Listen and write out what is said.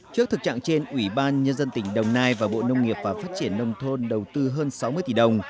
trước thực trạng trên ủy ban nhân dân tỉnh đồng nai và bộ nông nghiệp và phát triển nông thôn đầu tư hơn sáu mươi tỷ đồng